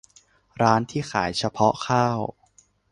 ร้านที่ขายเฉพาะข้าว